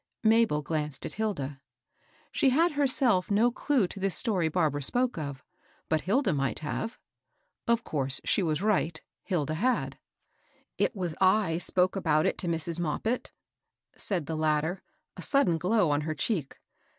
Mabel glanced at Hilda. She had herself no clue to this story Barbara spoke of, but Hilda migb have. Of coarse she was right ; Hilda had. " It was I sj^ke ^bcsat it to Mrs. Moppit,' \ FARBARA STRAND. 407 laid the latter, a sudden glow on her cheek.